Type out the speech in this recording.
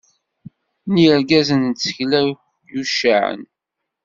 N yirgazen n tsekla yucaɛen.